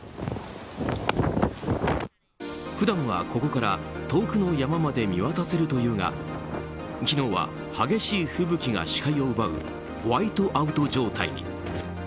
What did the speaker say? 普段はここから遠くの山まで見渡せるというが昨日は激しい吹雪が視界を奪うホワイトアウト状態に。